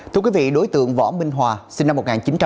thưa quý vị đối tượng võ minh hòa sinh năm một nghìn chín trăm tám mươi